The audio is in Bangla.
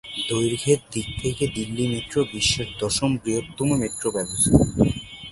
দৈর্ঘ্যের দিক থেকে দিল্লি মেট্রো বিশ্বের দশম বৃহত্তম মেট্রো ব্যবস্থা।